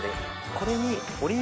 これに。